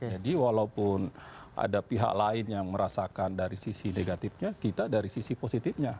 jadi walaupun ada pihak lain yang merasakan dari sisi negatifnya kita dari sisi positifnya